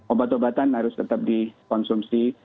obat obatan harus tetap dikonsumsi